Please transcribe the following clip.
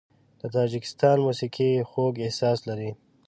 د تاجکستان موسیقي خوږ احساس لري.